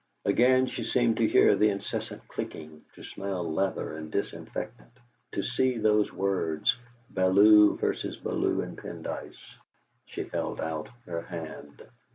Again she seemed to hear the incessant clicking, to smell leather and disinfectant, to see those words, "Bellew v. Bellew and, Pendyce." She held out her hand.